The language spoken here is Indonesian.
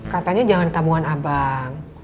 katanya jangan di tabungan abang